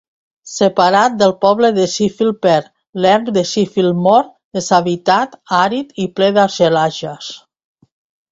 Separat del poble de Sheffield per "l'erm de Sheffield Moor, deshabitat, àrid i ple d'argelagues".